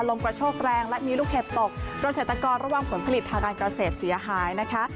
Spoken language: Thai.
ลมกระโชคแรงและมีลูกเห็ดตกเกราะเศรษฐกรระวังผลผลิตทางการเกาเสศเสียหายนะคะ